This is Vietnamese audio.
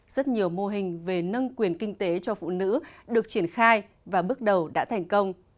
rất nhiều mô hình về nâng quyền kinh tế cho phụ nữ được triển khai và bước đầu đã thành công